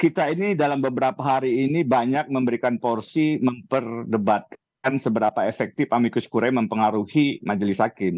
kita ini dalam beberapa hari ini banyak memberikan porsi memperdebatkan seberapa efektif amikus kure mempengaruhi majelis hakim